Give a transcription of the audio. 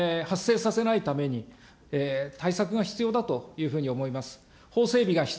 ２点目、同様の事案を発生させないために、対策が必要だというふうに思います。